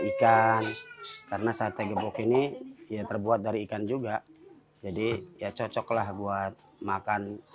ikan karena sate gebok ini ya terbuat dari ikan juga jadi ya cocoklah buat makan